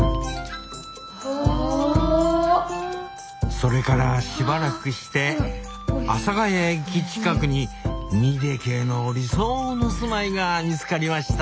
それからしばらくして阿佐ヶ谷駅近くに２ＤＫの理想の住まいが見つかりました